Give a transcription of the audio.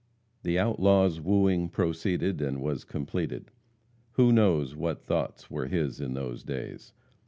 The outlaw's wooing proceeded, and was completed. Who knows what thoughts were his in those days?